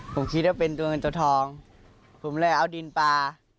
ผมคิดว่าเป็นตัวเงินตัวทองผมเลยเอาดินปลา